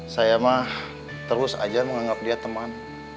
saya mah terus aja menganggap dia teman